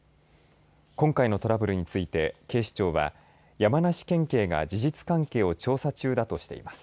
今回のトラブルについて警視庁は山梨県警が事実関係を調査中だとしています。